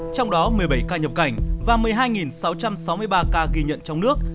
trong đó một mươi bảy ca nhập cảnh và một mươi hai sáu trăm sáu mươi ba ca ghi nhận trong nước